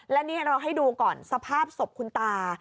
และนี่เราให้ดูก่อนสภาพศพคุณตา